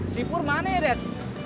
si pur mana ya dad